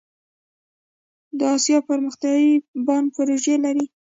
د اسیا پرمختیایی بانک پروژې لري